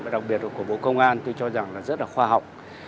đặc biệt là của bộ công an tôi cho rằng rất là khoa học